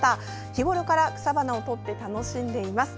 日ごろから草花を撮って楽しんでいます。